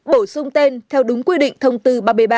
bổ sung tên theo đúng quy định thông tư